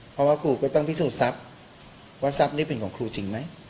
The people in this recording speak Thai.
เพราะว่าครูก็ต้องพิสูจนทรัพย์ว่าทรัพย์นี้เป็นของครูจริงไหม